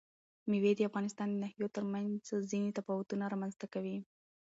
مېوې د افغانستان د ناحیو ترمنځ ځینې تفاوتونه رامنځ ته کوي.